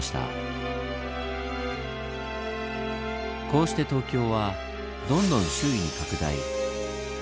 こうして東京はどんどん周囲に拡大。